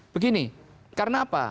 begini karena apa